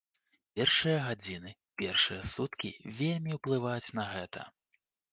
Першыя гадзіны, першыя суткі вельмі ўплываюць на гэта.